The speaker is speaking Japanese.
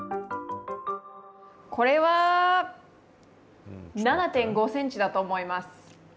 これは７．５センチだと思います。